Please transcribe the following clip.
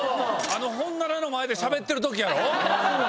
本棚の前でしゃべってる時やろ。